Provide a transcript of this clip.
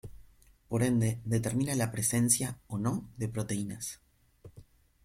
Por ende determina la presencia o no de proteínas.